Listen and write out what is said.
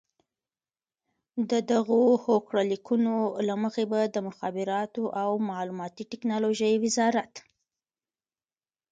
د دغو هوکړه لیکونو له مخې به د مخابراتو او معلوماتي ټکنالوژۍ وزارت